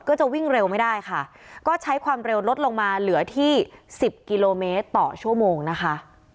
ก็จะวิ่งเร็วไม่ได้ค่ะก็ใช้ความเร็วลดลงมาเหลือที่สิบกิโลเมตรต่อชั่วโมงนะคะ